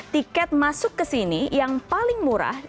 tiket masuk ke sini yang paling murah